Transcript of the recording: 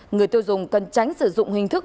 người tiêu dùng cần tránh sử dụng hình thức